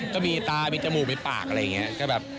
ก็มีตามีจมูกมีปากอะไรแบบนี้ก็แบบ